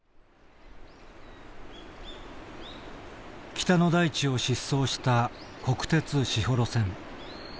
北の大地を疾走した国鉄士幌線。